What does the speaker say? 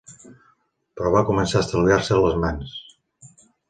Però va començar a estalviar-se les mans.